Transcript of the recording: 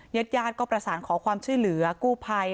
ญาติญาติก็ประสานขอความช่วยเหลือกู้ภัย